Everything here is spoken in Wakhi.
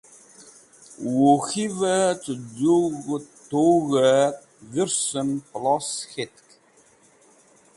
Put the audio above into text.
Wuk̃hivẽ cẽ z̃hũg̃ht tug̃hẽ dhũrsẽnev plos k̃het.